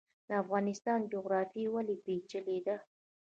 د افغانستان جغرافیا ولې پیچلې ده؟